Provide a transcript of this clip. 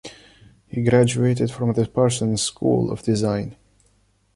He graduated from the Parsons School of Design.